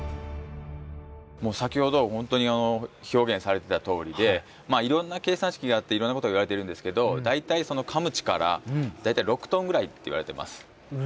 もう先ほど本当に表現されてたとおりでいろんな計算式があっていろんなことがいわれてるんですけど大体そのかむ力大体６トン。いけますよね。